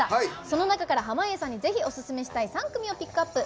その中から濱家さんにぜひオススメしたい３組をピックアップ。